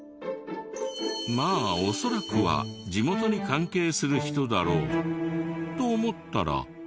まあ恐らくは地元に関係する人だろうと思ったら。